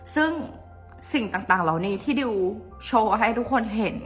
ซึ่งสิ่งต่างเหล่านี้ที่ดิวโชว์ให้ทุกคนเห็น